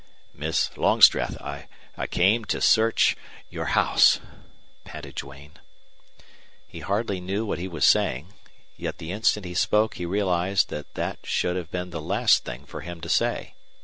"Miss Longstreth I came to search your house," panted Duane. He hardly knew what he was saying, yet the instant he spoke he realized that that should have been the last thing for him to say.